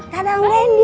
dadah om randy